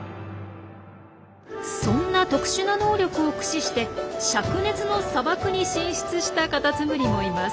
そんな特殊な能力を駆使してしゃく熱の砂漠に進出したカタツムリもいます。